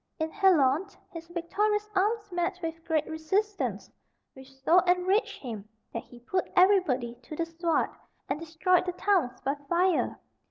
In Halone his victorious arms met with great resistance, which so enraged him that he put everybody to the sword, and destroyed the towns by fire.